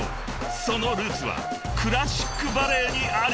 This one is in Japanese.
［そのルーツはクラシックバレエにあり］